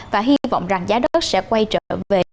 và hy vọng rằng giá đất sẽ quay trở về